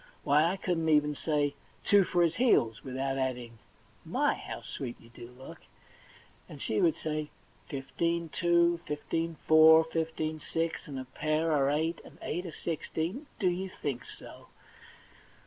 Why, I couldn't even say, * Two for his heels,' without adding, * My^ how sweet you do look !' And she would say, * Fifteen two, fifteen four, fifteen six, and a pair are eight, and eight are sixteen — do you think so